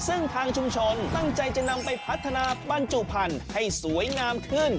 ซึ่งทางชุมชนตั้งใจจะนำไปพัฒนาบรรจุพันธุ์ให้สวยงามขึ้น